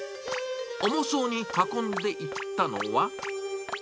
重そうに運んでいったのは。